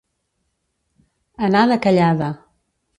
Anar de callada.